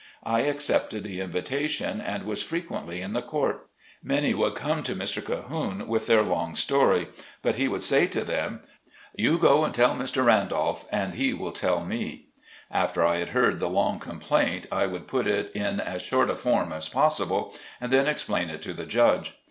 I accepted the invitation and was frequently in the court. Many would come to Mr. Cahoone, with their long story, but he would say to them, "You go and tell Mr. Randolph, and he will IN A VIRGINIA PULPIT. 65 tell me." After I had heard the long complaint, I would put it in as short a form as possible and then explain it to the judge.